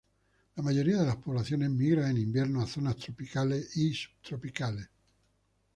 La mayoría de las poblaciones migran en invierno a zonas tropicales y subtropicales.